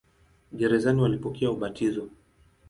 Gerezani walipokea ubatizo.